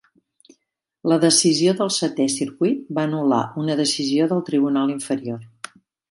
La decisió del Setè Circuit va anul·lar una decisió del tribunal inferior.